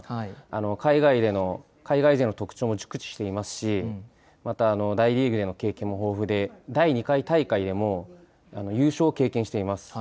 海外での、海外勢の特徴も熟知していますし、また大リーグでの経験も豊富で、第２回大会でも、優勝を経験しています。